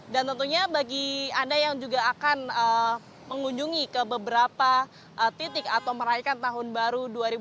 dan tentunya bagi anda yang juga akan mengunjungi ke beberapa titik atau meraihkan tahun baru dua ribu dua puluh